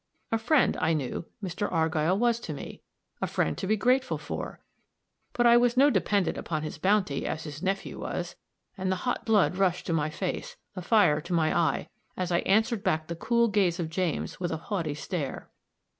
A friend, I knew, Mr. Argyll was to me; a friend to be grateful for; but I was no dependent upon his bounty, as his nephew was, and the hot blood rushed to my face, the fire to my eye, as I answered back the cool gaze of James with a haughty stare.